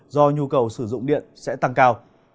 do nhu cầu sử dụng điện sẽ tăng cao